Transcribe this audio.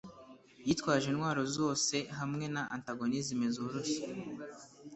Yitwaje intwaro zose hamwe na antagonism zoroshye